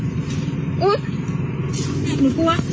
หนูกลัว